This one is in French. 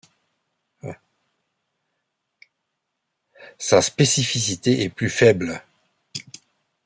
Sa spécificité est plus faible.